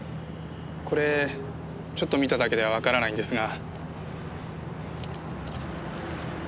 これちょっと見ただけではわからないんですが。